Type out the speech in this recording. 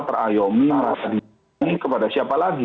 terayomi merasa dihukumi kepada siapa lagi